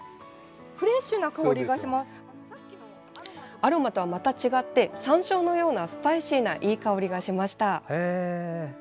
アロマとはまた違ってさんしょうのようなスパイシーないい香りがしました。